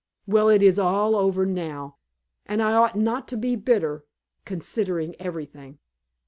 Well, it is over now, and I ought not to be bitter, considering everything.